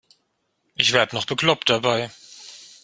Ich werde noch bekloppt dabei.